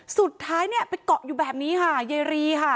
สุดท้ายไปเกาะอยู่แบบนี้ครับยายรี